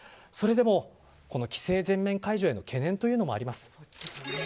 それでも、規制全面解除への懸念もあります。